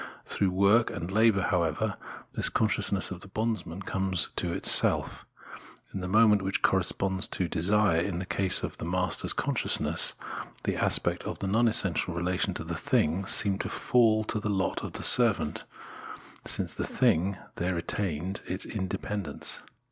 Through work and labour, however, this consciousness of the bondsman comes to itself. In the moment which corresponds to desire in the case of the master's consciousness, the aspect of the non essential relation to the thing seemed to fall to the lot of the servant, since the thing there retained its independence.